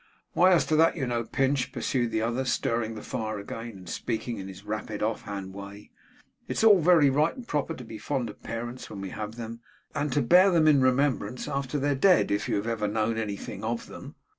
'Why, as to that, you know, Pinch,' pursued the other, stirring the fire again, and speaking in his rapid, off hand way; 'it's all very right and proper to be fond of parents when we have them, and to bear them in remembrance after they're dead, if you have ever known anything of them.